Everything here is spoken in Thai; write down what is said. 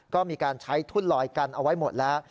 ก็มีการใช้ทุ่นลอยกันเอาไว้หมดแล้ว